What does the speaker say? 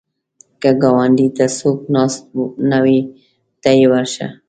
که ګاونډي ته څوک ناست نه وي، ته یې ورشه